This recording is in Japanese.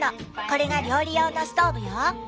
これが料理用のストーブよ。